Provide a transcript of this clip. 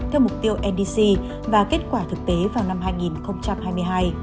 theo mục tiêu ndc và kết quả thực tế vào năm hai nghìn hai mươi hai